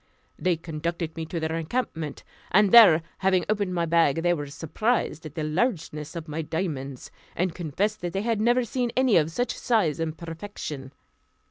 They conducted me to their encampment; and there having opened my bag, they were surprised at the largeness of my diamonds, and confessed that they had never seen any of such size and perfection.